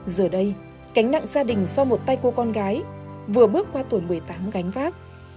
giờ đây cánh nặng gia đình do một tay cô con gái vừa bước qua tuổi một mươi tám gánh vác